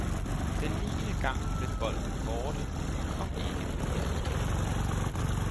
Den niende gang blev bolden borte og kom ikke mere igen.